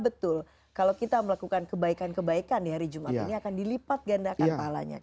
betul kalau kita melakukan kebaikan kebaikan di hari jumat ini akan dilipat gandakan pahalanya